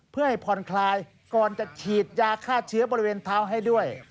เพื่อให้ผ่อนคลายก่อนจะฉีดยาฆ่าเชื้อบริเวณเท้าให้ด้วย